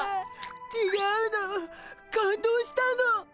ちがうの感動したの！